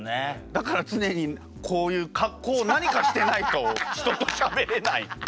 だから常にこういう格好を何かしてないと人としゃべれない。